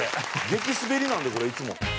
激スベりなんでこれいつも。